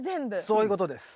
そういうことです。